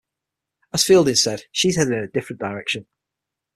As Fielding said, she's heading in a different direction.